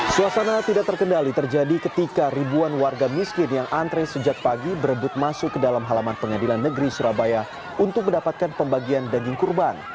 suasana tidak terkendali terjadi ketika ribuan warga miskin yang antre sejak pagi berebut masuk ke dalam halaman pengadilan negeri surabaya untuk mendapatkan pembagian daging kurban